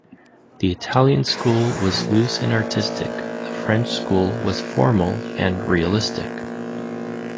The Italian school was loose and artistic, the French school was formal and realistic.